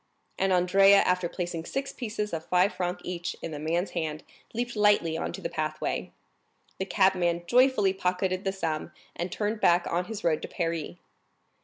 And Andrea, after placing six pieces of five francs each in the man's hand, leaped lightly on to the pathway. The cabman joyfully pocketed the sum, and turned back on his road to Paris.